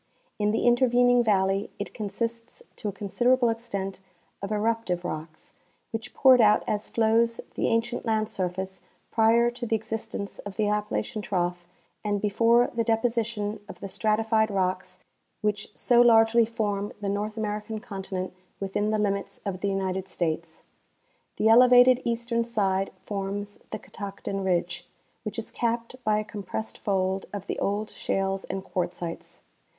In the interven ing valley it consists to a considerable extent of eruptive rocks, which poured out as flows the ancient land surface prior to the existence of the Appalachian trough and before the deposition of the stratified rocks which so largely form the North American continent within the limits of the United States. The elevated eastern side forms the Catoctin ridge, which is capped by a com pressed fold of the old shales and quartzites.